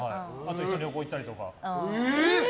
一緒に旅行に行ったりとか。